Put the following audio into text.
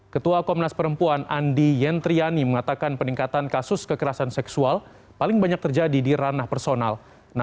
ketua komnas perempuan andi yentriani mengatakan peningkatan kasus kekerasan seksual paling banyak terjadi di ranah personal